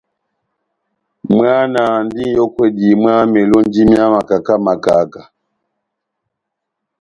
Mwana andi n'yókwedi mwá melonji mia makaka makaka.